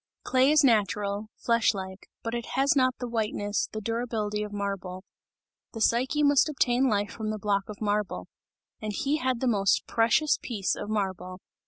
Clay is natural, flesh like, but it has not the whiteness, the durability of marble; the Psyche must obtain life from the block of marble and he had the most precious piece of marble.